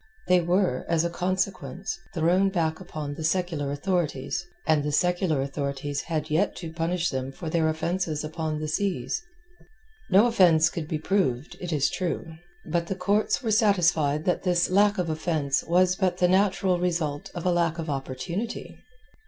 They were, as a consequence, thrown back upon the secular authorities, and the secular authorities had yet to punish them for their offence upon the seas. No offence could be proved, it is true. But the courts were satisfied that this lack of offence was but the natural result of a lack of opportunity.